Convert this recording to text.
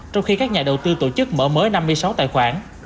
trong khi các nhà đầu tư tổ chức mở mới năm mươi sáu tài khoản